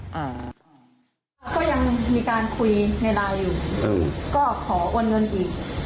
ก็ยังมีการคุยในไลน์อยู่ก็ขอโอนเงินอีก